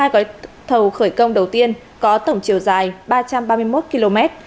một mươi hai gói thầu khởi công đầu tiên có tổng chiều dài ba trăm ba mươi một km